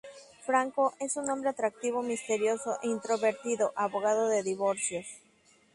Franco es un hombre atractivo, misterioso e introvertido abogado de divorcios.